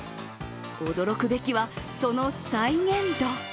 驚くべきは、その再現度。